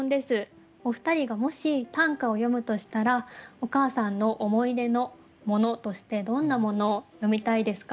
お二人がもし短歌を詠むとしたらお母さんの思い出の物としてどんな物を詠みたいですか？